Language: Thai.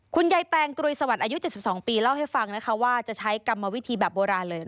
แตงกรุยสวัสดิ์อายุ๗๒ปีเล่าให้ฟังนะคะว่าจะใช้กรรมวิธีแบบโบราณเลย